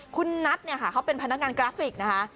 คุณนัทเนี่ยค่ะเขาเป็นพนักงานกราฟิกนะคะ